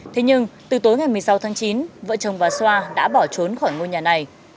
thế nhưng từ tối ngày một mươi sáu tháng chín vợ chồng bà xoa đã bỏ trốn khỏi ngôi nhà này